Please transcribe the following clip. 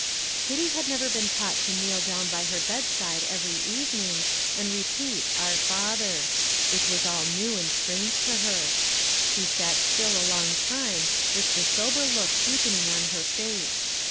Kitty had never been taught to kneel down by her bedside every evening, and repeat "Our Father;" it was all new and strange to her. She sat still a long time, with the sober look deepening on her face.